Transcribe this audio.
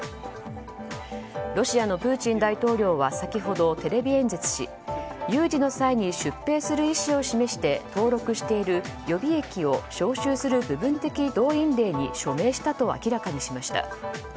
ロシアのプーチン大統領は先ほどテレビ演説し有事の際に出兵する意思を示して登録している予備役を招集する部分的動員令に署名したと明らかにしました。